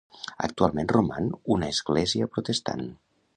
Actualment roman una església protestant.